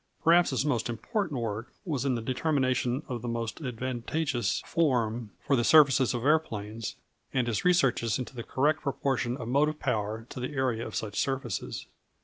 Perhaps his most important work was in the determination of the most advantageous form for the surfaces of aeroplanes, and his researches into the correct proportion of motive power to the area of such surfaces.